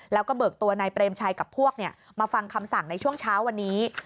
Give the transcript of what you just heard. แล้วก็เบิกตัวนายเปรมชัยกับพวกมาฟังคำสั่งในช่วงเช้าวันนี้